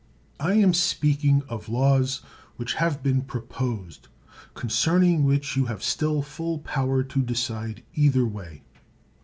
I am speaking of laws which have been proposed, concerning which you have still full power .to decide either way.